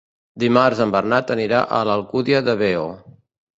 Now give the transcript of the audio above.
Dimarts en Bernat anirà a l'Alcúdia de Veo.